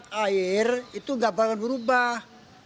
kalau dimasak air itu nggak bakal berubah